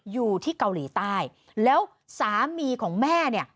อยู่ที่เกาหลีใต้แล้วสามีของแม่เนี่ย